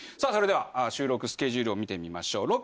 それでは収録スケジュールを見てみましょう。